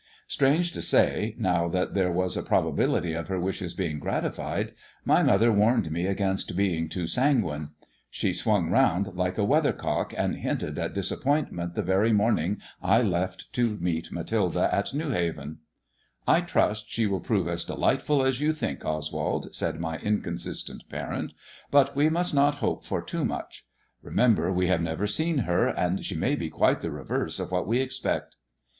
Strange to say, now that there was a probability of her wishes being gratified, my mother warned me against being too sanguine. She swung round like a weather cock, and hinted at disappointment the very morning I left to meet Mathilde at Kewhaven. ''I trust she will prove as delightful as you think, Oswald," said my inconsistent parent ;" but we must not hope for too much. Bemember we have never seen her, and she may be quite the reverse of what we expect.'